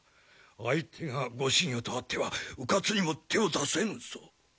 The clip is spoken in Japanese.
相手がご神輿とあってはうかつには手を出せぬぞ。